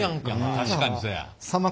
確かにそや。